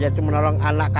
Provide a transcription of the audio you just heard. yaitu menolong anak kami